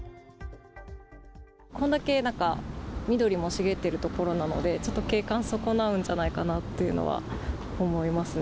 これだけなんか緑も茂っている所なので、ちょっと景観損なうんじゃないかなっていうのは思いますね。